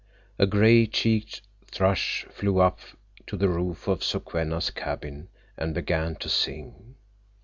A gray cheeked thrush flew up to the roof of Sokwenna's cabin and began to sing.